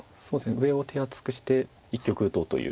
上を手厚くして一局打とうという。